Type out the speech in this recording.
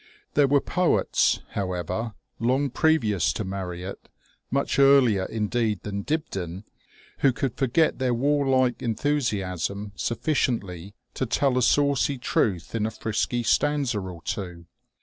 There were poets, however, long previous to Marryat, much earlier indeed than Dibdin, who could forget their warlike enthusiasm sufficiently to tell a saucy truth in a frisky stanza or two.